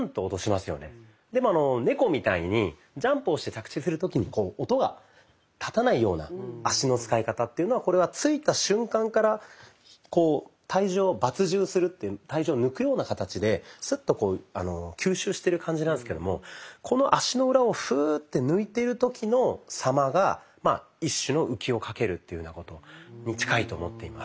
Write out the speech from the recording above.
でも猫みたいにジャンプをして着地する時に音がたたないような脚の使い方というのはこれは着いた瞬間から体重を抜重するっていう体重を抜くような形でスッと吸収してる感じなんですけどもこの足の裏をフーッて抜いてる時の様が一種の「浮きをかける」っていうふうなことに近いと思っています。